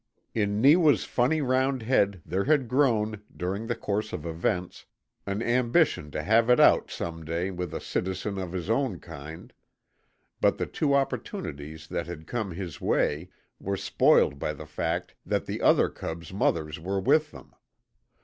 In Neewa's funny round head there had grown, during the course of events, an ambition to have it out some day with a citizen of his own kind; but the two opportunities that had come his way were spoiled by the fact that the other cubs' mothers were with them.